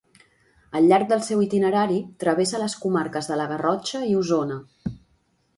Al llarg del seu itinerari, travessa les comarques de la Garrotxa i Osona.